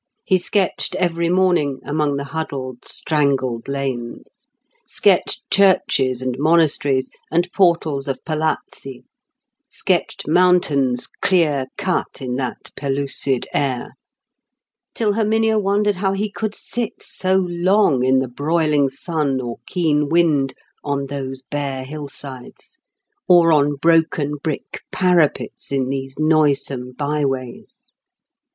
He sketched every morning, among the huddled, strangled lanes; sketched churches and monasteries, and portals of palazzi; sketched mountains clear cut in that pellucid air; till Herminia wondered how he could sit so long in the broiling sun or keen wind on those bare hillsides, or on broken brick parapets in those noisome byways.